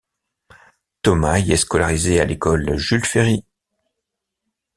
Thomas y est scolarisé à l'école Jules Ferry.